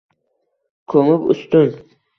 Ko’mib ustun